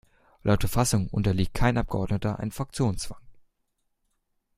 Laut Verfassung unterliegt kein Abgeordneter einem Fraktionszwang.